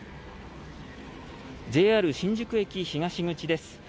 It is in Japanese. ＪＲ新宿駅東口です。